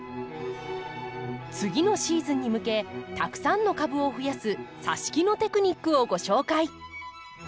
次のシーズンに向けたくさんの株を増やすさし木のテクニックをご紹介。